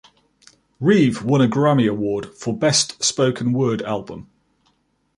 Reeve won a Grammy Award for Best Spoken Word Album.